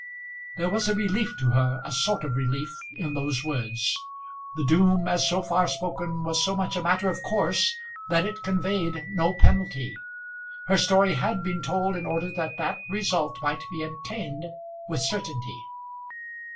There was a relief to her, a sort of relief, in those words. The doom as so far spoken was so much a matter of course that it conveyed no penalty. Her story had been told in order that that result might be attained with certainty.